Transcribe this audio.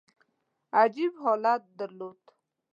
عجیب حالت درلود.